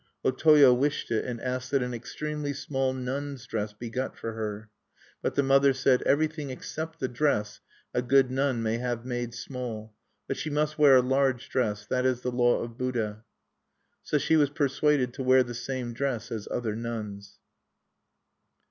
O Toyo wished it, and asked that an extremely small nun's dress be got for her. But the mother said: "Everything except the dress a good nun may have made small. But she must wear a large dress that is the law of Buddha." So she was persuaded to wear the same dress as other nuns.